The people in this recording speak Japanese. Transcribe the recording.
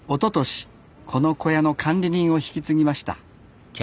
この小屋の管理人を引き継ぎました